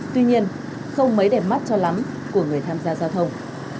tuy nhiên không mấy để mắt cho lắm của người tham gia giao thông